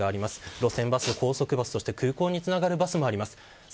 路線バス、高速バスとして空港につながるバスもあります。